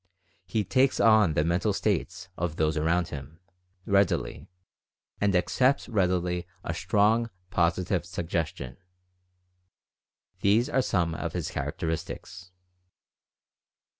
He "takes on" the mental states of those around him, readily, and accepts readily a strong, positive suggestion. These are some of his character istics.